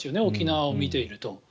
沖縄を見ていると。